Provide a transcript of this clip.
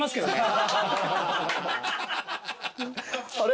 「あれ？」